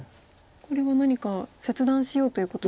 これは何か切断しようということ？